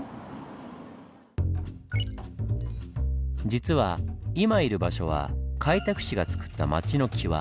実は今いる場所は開拓使がつくった町のキワ。